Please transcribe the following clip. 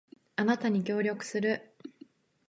あなたに協力する